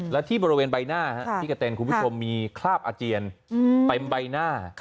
และที่บริเวณใบหน้าที่กระเต็นคุณผู้ชมมีคราบอาเจียนเต็มใบหน้า